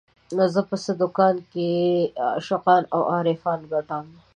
زه په څه دکان کې عاشقان او عارفان ګټم